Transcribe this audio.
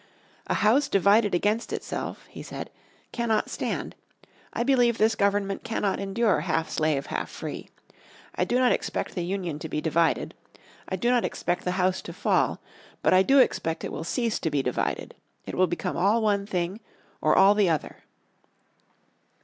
"A house divided against itself," he said, "cannot stand. I believe this government cannot endure half slave, half free. I do not expect the Union to be divided. I do not expect the House to fall. But I do expect it will cease to be divided. It will become all one thing, or all the other."